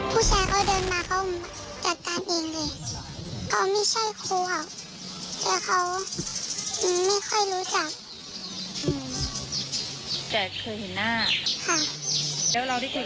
ผู้ชายเขาเดินมาเขาจัดการเองเลย